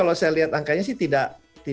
kalau saya lihat angkanya sih tidak